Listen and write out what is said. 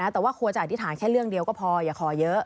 แต่ว่าควรจะอธิษฐานแค่เรื่องเดียวก็พออย่าขอเยอะ